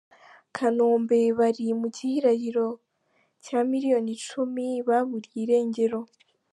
Kanombe Bari mu gihirahiro cya miliyoni icumi baburiye irengero